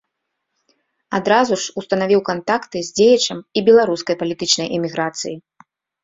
Адразу ж устанавіў кантакты з дзеячам і беларускай палітычнай эміграцыі.